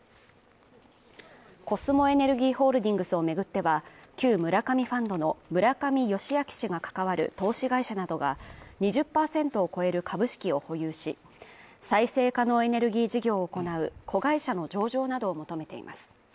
コスモエネルギーホールディングスを巡っては旧村上ファンドの村上世彰氏が関わる投資会社などが２０％を超える株式を保有し、再生可能エネルギー事業を行う子会社の上場などを求めています。